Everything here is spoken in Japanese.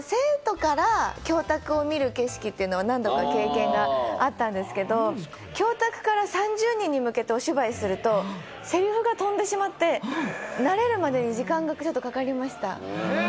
生徒から教卓を見る景色というのは何度か経験があったんですけど、教卓から３０人に向けてお芝居すると、せりふが飛んでしまって、慣れるまでに時間がちょっとかかりました。